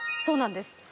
そうなんです。